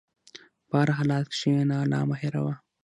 په هر حالت کښېنه، الله مه هېروه.